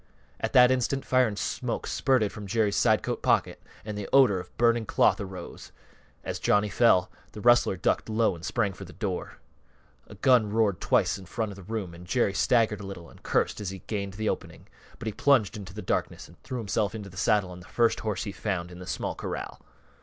At that instant fire and smoke spurted from Jerry's side coat pocket and the odor of burning cloth arose. As Johnny fell, the rustler ducked low and sprang for the door. A gun roared twice in the front of the room and Jerry staggered a little and cursed as he gained the opening, but he plunged into the darkness and threw himself into the saddle on the first horse he found in the small corral.